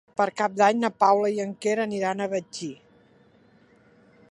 Per Cap d'Any na Paula i en Quer aniran a Betxí.